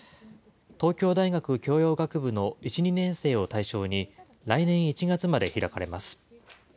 東京大学教養学部の１、２年生を対象に、来年１月まで開かれます。